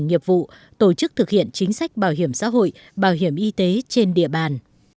nghiệp vụ tổ chức thực hiện chính sách bảo hiểm xã hội bảo hiểm y tế trên địa bàn